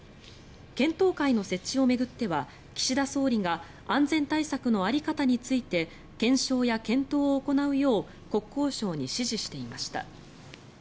検討会の設置を巡っては岸田総理が安全対策の在り方について検証や検討を行うよう国交省に指示していました。